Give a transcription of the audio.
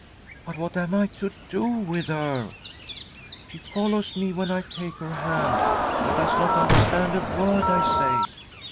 " But what am I to do with her ? She follows me ; when I take her hand, but does not understand a word I say.